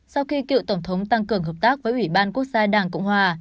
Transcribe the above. sau khi cựu tổng thống tăng cường hợp tác với ủy ban quốc gia đảng cộng hòa